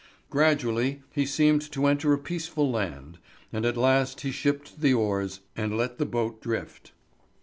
Gradually he seemed to enter a peaceful land, and at last he shipped the oars, and let the boat drift.